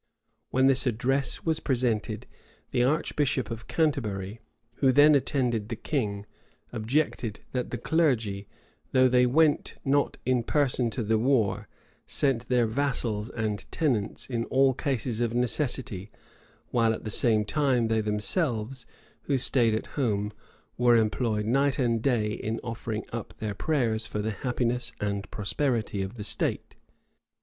When this address was presented, the archbishop of Canterbury, who then attended the king, objected that the clergy, though they went not in person to the wars, sent their vassals and tenants in all cases of necessity; while at the same time they themselves, who staid at home, were employed night and day in offering up their prayers for the happiness and prosperity of the state.